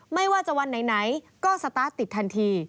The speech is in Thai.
ไม่ว่าจะวันไหนก็สตาร์ทติดทันที